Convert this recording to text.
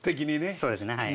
そうですねはい。